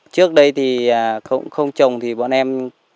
trước đây thì không trồng thì bọn em